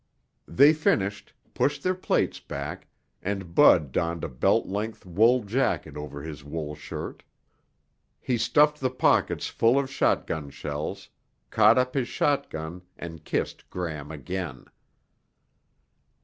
They finished, pushed their plates back, and Bud donned a belt length wool jacket over his wool shirt. He stuffed the pockets full of shotgun shells, caught up his shotgun and kissed Gram again.